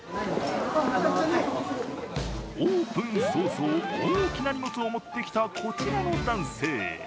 オープン早々、大きな荷物を持ってきたこちらの男性。